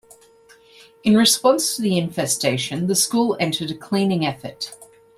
In response to the infestation, the school entered a cleaning effort.